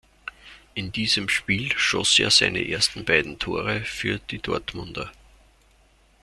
In diesem Spiel schoss er seine ersten beiden Tore für die Dortmunder.